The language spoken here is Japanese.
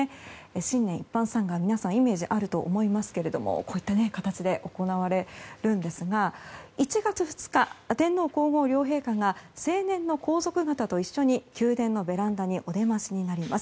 新年一般参賀皆さんイメージあると思いますがこういった形で行われるんですが１月２日、天皇・皇后両陛下が成年の皇族方と一緒に宮殿のベランダにお出ましになります。